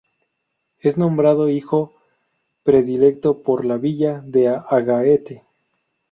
Es nombrado Hijo Predilecto por la Villa de Agaete.